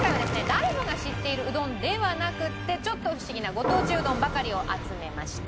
誰もが知っているうどんではなくってちょっとフシギなご当地うどんばかりを集めました。